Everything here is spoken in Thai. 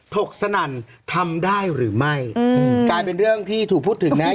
กสนั่นทำได้หรือไม่อืมกลายเป็นเรื่องที่ถูกพูดถึงนะฮะ